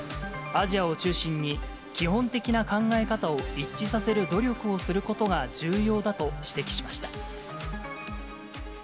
アジアを中心に、基本的な考え方を一致させる努力をすることが重要だと指摘しました。